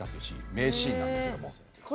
名シーンなんですけども。